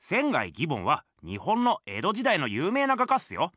義梵は日本の江戸時代の有名な画家っすよ。